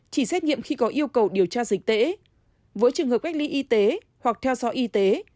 chỉ xét nghiệm khi có yêu cầu điều tra dịch tễ với trường hợp cách ly y tế hoặc theo dõi y tế